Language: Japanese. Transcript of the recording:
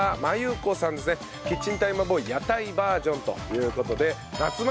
キッチンタイマーボーイ屋台バージョンという事で。